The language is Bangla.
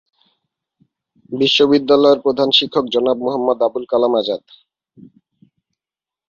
বিদ্যালয়ের প্রধান শিক্ষক জনাব মোহাম্মদ আবুল কালাম আজাদ।